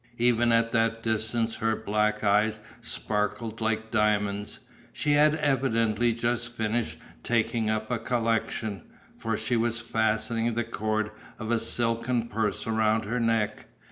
Even at that distance her black eyes sparkled like diamonds. She had evidently just finished taking up a collection, for she was fastening the cord of a silken purse about her neck.